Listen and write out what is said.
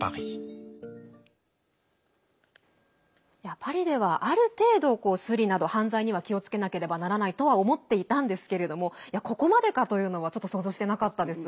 パリでは、ある程度スリなど犯罪には気をつけなければならないとは思っていたんですけれどもここまでかというのはちょっと想像してなかったです。